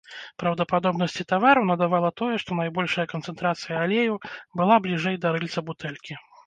Праўдападобнасці тавару надавала тое, што найбольшая канцэнтрацыя алею была бліжэй да рыльца бутэлькі.